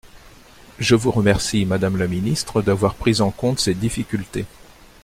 Je vous remercie, madame la ministre, d’avoir pris en compte ces difficultés.